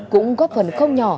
cũng góp phần không nhỏ